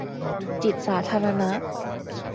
จิตสาธารณะ